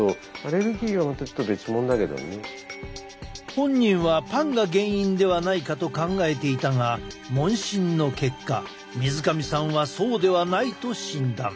本人はパンが原因ではないかと考えていたが問診の結果水上さんはそうではないと診断。